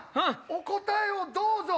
お答えをどうぞ。